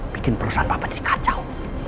bikin perusahaan papa jadi kacau